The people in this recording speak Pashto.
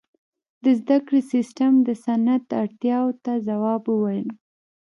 • د زدهکړې سیستم د صنعت اړتیاو ته ځواب وویل.